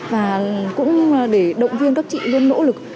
và cũng để động viên các chị luôn nỗ lực